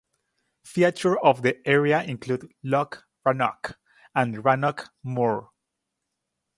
Features of the area include Loch Rannoch and Rannoch Moor.